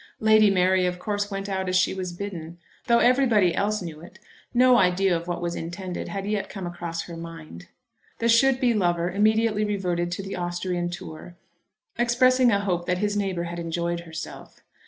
Lady Mary of course went out as she was bidden. Though everybody else knew it, no idea of what was intended had yet come across her mind. The should be lover immediately reverted to the Austrian tour, expressing a hope that his neighbour had enjoyed herself.